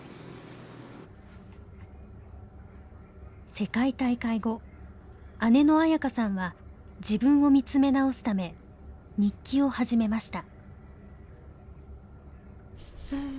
世界大会後姉の紋可さんは自分を見つめ直すため日記を始めました。